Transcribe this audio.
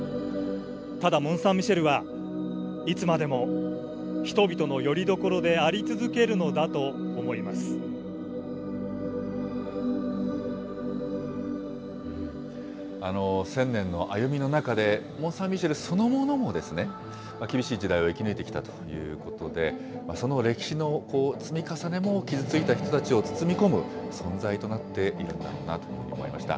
ただ、モンサンミシェルはいつまでも人々のよりどころであり続け１０００年の歩みの中で、モンサンミシェルそのものも、厳しい時代を生き抜いてきたということで、その歴史の積み重ねも傷ついた人たちを包み込む存在となっているんだろうなと思いました。